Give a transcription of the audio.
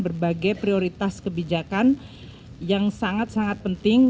berbagai prioritas kebijakan yang sangat sangat penting